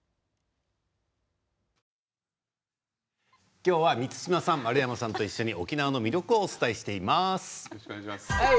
今日は満島さん丸山さんと一緒に沖縄の魅力をお伝えしています。